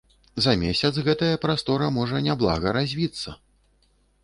За месяц гэтае прастора можа няблага развіцца.